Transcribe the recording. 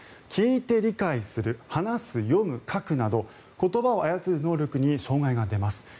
聞いて理解する、話す、読む書くなど言葉を操る能力に障害が出ます。